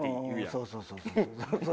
そうそうそうそう。